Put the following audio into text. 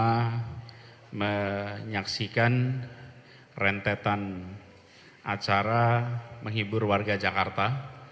kita menyaksikan rentetan acara menghibur warga jakarta